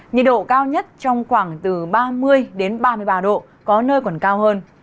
nhiệt độ cao nhất trong khoảng từ ba mươi ba mươi ba độ có nơi còn cao hơn